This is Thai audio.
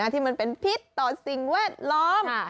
ที่มันเป็นพิษต่อสิ่งแวดล้อม